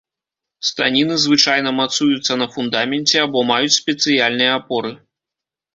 Станіны звычайна мацуюцца на фундаменце або маюць спецыяльныя апоры.